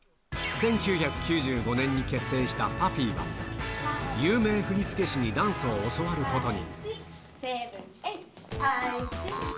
１９９５年に結成したパフィーは、有名振付師にダンスを教わることに。